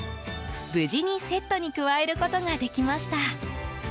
無事に、セットに加えることができました。